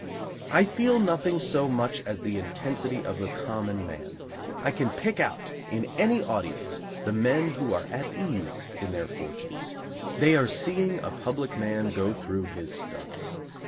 I feel nothing so much as the intensity of the common man. I can pick out in any audience the men who are at ease in their fortunes: they are seeing a public man go through his stunts.